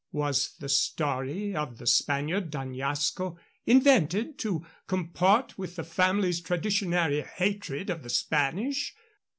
Was the story of the Spaniard D'Añasco invented to comport with the family's traditionary hatred of the Spanish?